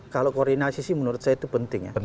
kalau koordinasi sih menurut saya itu penting ya